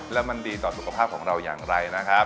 แล้วมันดีต่อสุขภาพของเราอย่างไรนะครับ